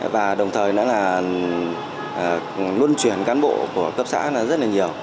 và đồng thời nó là luân chuyển cán bộ của cấp xã rất là nhiều